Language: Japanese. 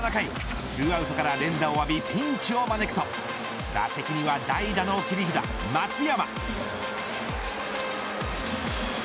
しかし７回２アウトから連打を浴びピンチを招くと打席には代打の切り札松山。